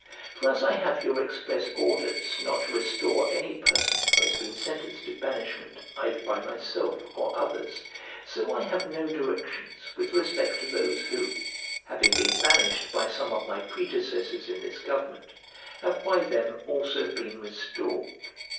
For as I have your express orders not to restore any person who has been sentenced to banishment either by myself or others so I have no directions with respect to those who, having been banished by some of my predecessors in this government, have by them also been restored.